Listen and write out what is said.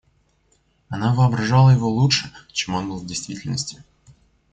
Она воображала его лучше, чем он был в действительности.